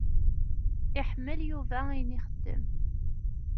Iḥemmel Yuba ayen ixeddem.